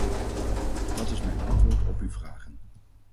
Dat is mijn antwoord op uw vragen.